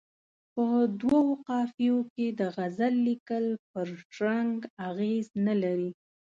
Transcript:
په دوو قافیو کې د غزل لیکل پر شرنګ اغېز نه لري.